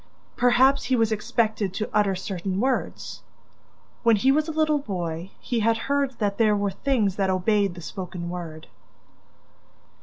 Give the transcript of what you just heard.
Perhaps he was expected to utter certain words? When he was a little boy, he had heard that there were things that obeyed the spoken word!